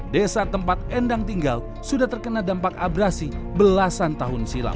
desa tempat endang tinggal sudah terkena dampak abrasi belasan tahun silam